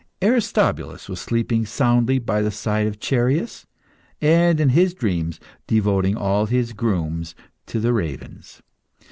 Aristobulus was sleeping soundly by the side of Chereas, and, in his dreams, devoting all his grooms to the ravens.